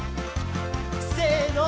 せの！